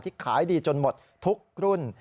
ขายดีจนหมดทุกรุ่น